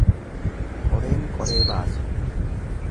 Qoreen qoree baasu.